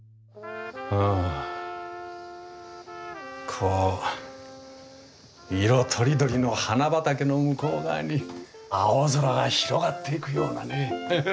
こう色とりどりの花畑の向こう側に青空が広がっていくようだね。